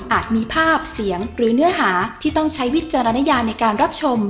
มีภาพเสียงหรือเนื้อหาที่ต้องใช้วิจารณญาในการรับชม